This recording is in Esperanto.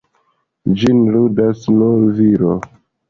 Ĝin ludas nur viro.